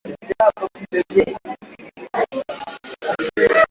Haya ni magonjwa yanayoonesha dalili katika mfumo wa upumuaji kama ishara kuu ya maradhi